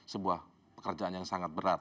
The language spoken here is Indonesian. sebuah pekerjaan yang sangat berat